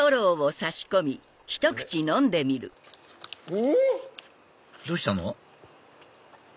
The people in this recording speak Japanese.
うん⁉どうしたの？